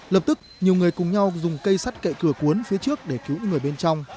lập tức nhiều người cùng nhau dùng cây sắt cậy cửa cuốn phía trước để cứu những người bên trong